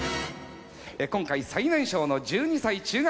今回最年少の１２歳中学生。